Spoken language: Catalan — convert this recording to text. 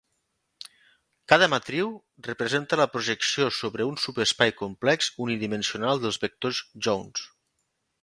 Cada matriu representa la projecció sobre un subespai complex unidimensional dels vectors Jones.